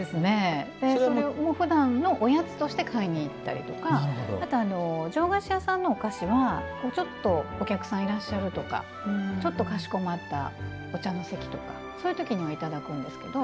ふだんのおやつとして買いに行ったりとか上菓子屋さんのお菓子とかはちょっとお客さんいらっしゃるとかちょっと、かしこまったお茶の席とか、そういう時にはいただくんですけど。